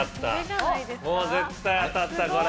もう絶対当たったこれ。